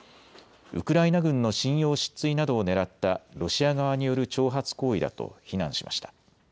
ウクライナ軍の信用失墜などをねらったロシア側による挑発行為だと非難しました。